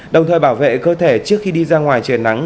đồng thời bảo vệ cơ thể trước khi đi ra ngoài trời nắng